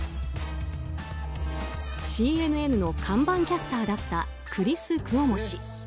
ＣＮＮの看板キャスターだったクリス・クオモ氏。